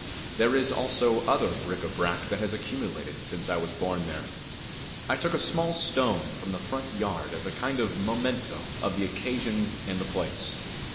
There is, also, other bric a brac which has accumulated since I was born there. I took a small stone from the front yard as a kind of memento of the occasion and the place.